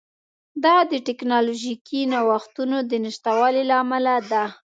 دا د ټکنالوژیکي نوښتونو د نشتوالي له امله ده